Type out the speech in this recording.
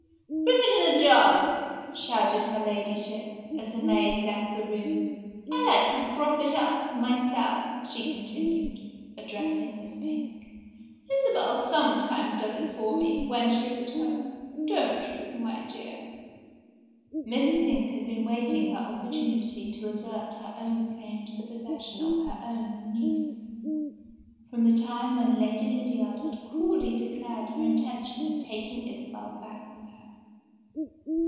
"Bring it in a jug," shouted her Ladyship, as the maid left the room. "I like to froth it up for myself," she continued, addressing Miss Pink. "Isabel sometimes does it for me, when she is at home don't you, my dear?" Miss Pink had been waiting her opportunity to assert her own claim to the possession of her own niece, from the time when Lady Lydiard had coolly declared her intention of taking Isabel back with her.